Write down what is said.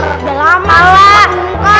udah lama ustaz gue buka